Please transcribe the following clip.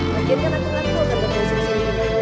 lagian kan aku gak tahu ada kelasnya di sini